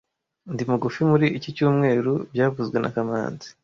Ndi mugufi muri iki cyumweru byavuzwe na kamanzi